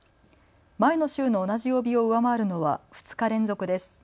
前の週の同じ曜日を上回るのは２日連続です。